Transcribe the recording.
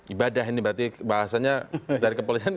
ibadah ini berarti bahasanya dari kepolisian ini ya